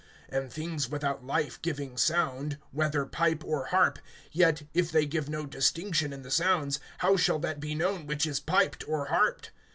(7)And things without life giving sound, whether pipe or harp, yet if they give no distinction in the sounds, how shall that be known which is piped or harped?